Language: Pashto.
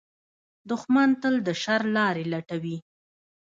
دښمن تل د شر لارې لټوي